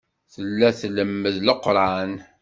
Tella tlemmed Leqran.